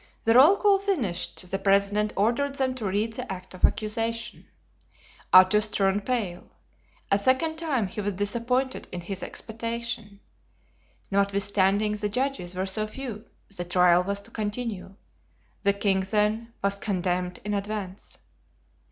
The roll call finished, the president ordered them to read the act of accusation. Athos turned pale. A second time he was disappointed in his expectation. Notwithstanding the judges were so few the trial was to continue; the king then, was condemned in advance.